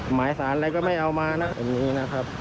หมายสารอะไรก็ไม่เอามานะอย่างนี้นะครับ